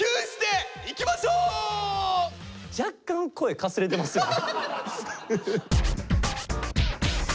若干声かすれてますよね。